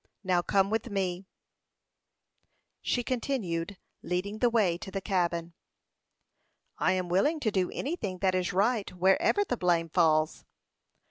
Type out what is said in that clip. Now come with me," she continued, leading the way to the cabin. "I am willing to do anything that is right, wherever the blame falls."